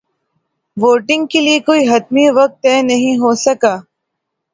voting کے لیے کوئی حتمی وقت طے نہیں ہو سکا